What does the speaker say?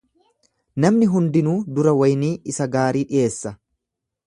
Namni hundinuu dura waynii isa gaarii dhiyeessa.